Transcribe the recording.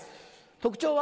特徴は？